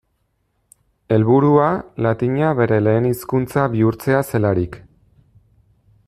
Helburua, latina bere lehen hizkuntza bihurtzea zelarik.